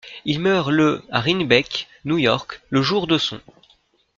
Il meurt le à Rhinebeck, New York le jour de son.